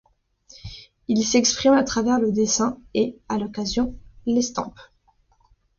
Il s'exprime à travers le dessin et, à l'occasion, l'estampe.